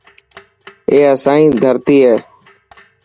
اي اسائي ڌرتي هي.